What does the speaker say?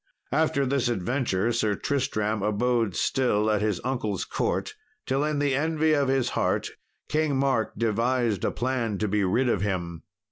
After this adventure Sir Tristram abode still at his uncle's court, till in the envy of his heart King Mark devised a plan to be rid of him.